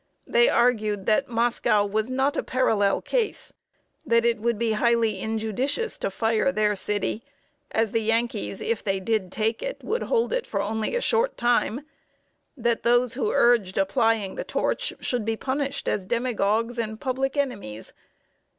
They argued that Moscow was not a parallel case; that it would be highly injudicious to fire their city, as the Yankees, if they did take it, would hold it only for a short time; that those who urged applying the torch should be punished as demagogues and public enemies!